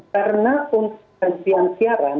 karena untuk penyiaran